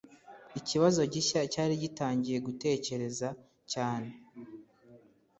Ikibazo gishya cyari gitangiye gutekereza cyane